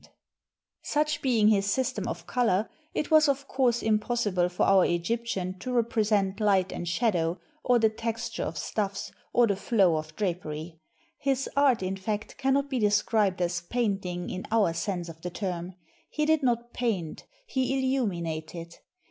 XX EGYPT Such being his system of color, it was of course im possible for our Egyptian to represent light and shadow, or the texture of stuffs, or the flow of drapery. His art, in fact, cannot be described as painting, in our sense of the term. He did not paint; he illuminated.